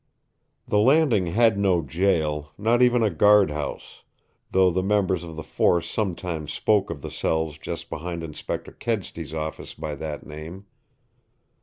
The Landing had no jail, not even a guard house, though the members of the force sometimes spoke of the cells just behind Inspector Kedsty's office by that name.